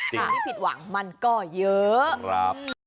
สิ่งที่ผิดหวังมันก็เยอะ